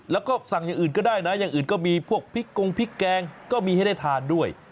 แล้วก็สั่งอย่างอื่นก็ได้นะอย่างอื่นก็มีพวกพริกกงพริกแกงก็มีให้ได้ทานด้วย